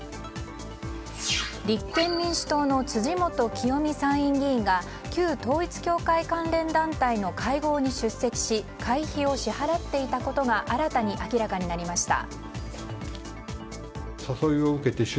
立憲民主党の辻元清美参議院議員が旧統一教会関連団体の会合に出席し会費を支払っていたことが新たに明らかになりました。